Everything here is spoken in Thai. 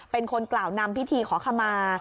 เป็นคนกล่าวนำพิธีขอขมา